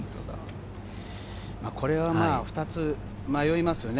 これは２つ迷いますよね。